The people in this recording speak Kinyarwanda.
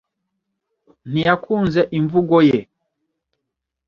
Ntiyakunze imvugo ye.